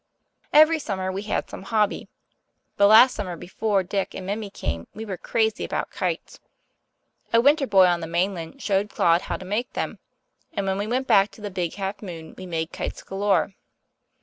Every summer we had some hobby. The last summer before Dick and Mimi came we were crazy about kites. A winter boy on the mainland showed Claude how to make them, and when we went back to the Big Half Moon we made kites galore.